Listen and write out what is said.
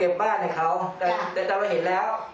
คือเราไม่เก็บบ้านให้เขาแต่เราเห็นแล้ว